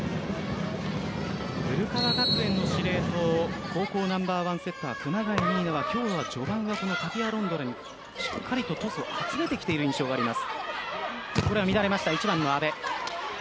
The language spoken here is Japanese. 古川学園の司令塔高校ナンバーワンセッター熊谷仁依奈は今日は序盤はタピア・アロンドラにしっかりとトスを集めている印象があります。